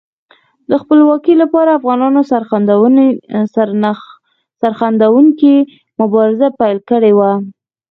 د خپلواکۍ لپاره افغانانو سرښندونکې مبارزه پیل کړې وه.